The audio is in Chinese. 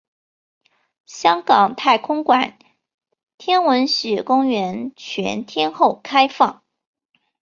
香港太空馆天文公园全天候开放。